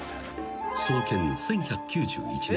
［創建１１９１年］